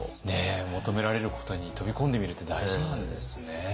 求められることに飛び込んでみるって大事なんですね。